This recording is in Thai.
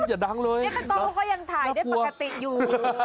นี่ก็ต้องเขายังถ่ายได้ปกติอยู่